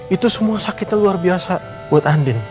itu semua sakitnya luar biasa buat andin